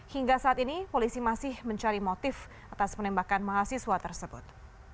hingga saat ini polisi masih mencari motif atas penembakan mahasiswa tersebut